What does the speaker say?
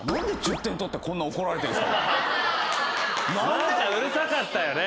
何かうるさかったよね。